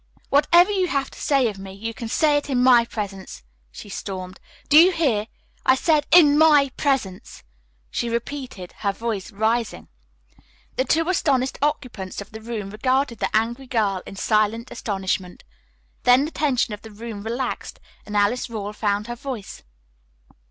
"Whatever you have to say of me you can say in my presence," she stormed. "Do you hear? I said, 'In my presence,'" she repeated, her voice rising. The two astonished occupants of the room regarded the angry girl in silent astonishment. Then the tension of the moment relaxed, and Alice Rawle found her voice.